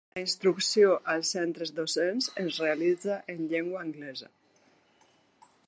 La instrucció als centres docents es realitza en llengua anglesa.